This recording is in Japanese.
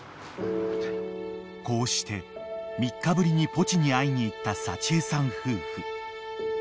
［こうして３日ぶりにポチに会いに行った幸枝さん夫婦］